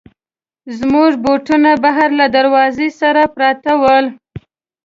زموږ بوټونه بهر له دروازې سره پراته ول.